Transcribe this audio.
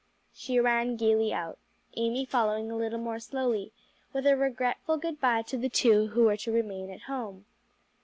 She ran gayly out, Amy following a little more slowly, with a regretful good bye to the two who were to remain at home.